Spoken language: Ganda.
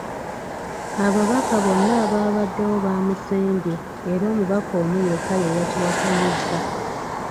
Ababaka bonna abaabaddewo baamusembye era omubaka omu yekka ye yakiwakanyizza.